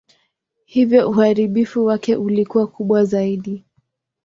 Hivyo uharibifu wake ulikuwa kubwa zaidi.